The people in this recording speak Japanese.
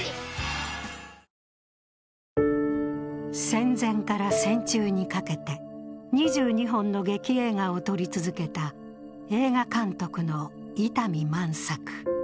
戦前から戦中にかけて２２本の劇映画を撮り続けた映画監督の伊丹万作。